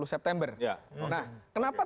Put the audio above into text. tiga puluh september nah kenapa